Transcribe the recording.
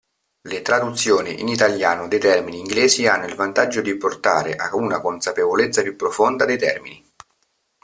Le traduzioni in italiano dei termini inglesi hanno il vantaggio di portare a una consapevolezza più profonda dei termini.